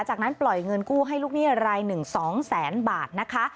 จากนั้นปล่อยเงินกู้ให้ลูกหนี้รายหนึ่ง๒แสนบาทนะคะ